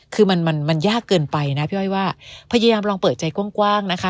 คือมันมันยากเกินไปนะพี่อ้อยว่าพยายามลองเปิดใจกว้างนะคะ